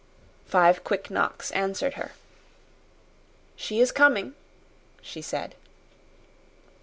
'" Five quick knocks answered her. "She is coming," she said.